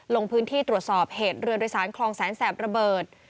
ลงพื้นที่ตรวจสอบเหตุเรือโดยสารคลองแสนแสบระเบิด